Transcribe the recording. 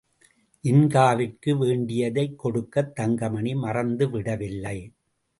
ஜின்காவிற்கு வேண்டியதைக் கொடுக்கத் தங்கமணி மறந்துவிடவில்லை.